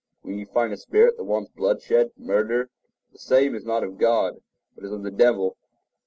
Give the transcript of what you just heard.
When you find a spirit that wants bloodshed—murder, the same is not of God, but is of the devil.